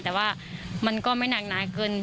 แต่ว่ามันก็ไม่หนักหนาเกิน